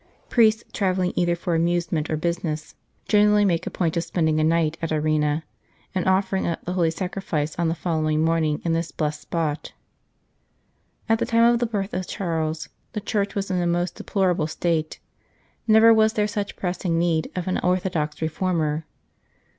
Priests travelling either for amusement or busi ness generally make a point of spending a night 2 The Brightness of God at Arena, and offering up the Holy Sacrifice on the following morning in this blessed spot. At the time of the birth of Charles, the Church was in a most deplorable state ; never was there such pressing need of an orthodox reformer.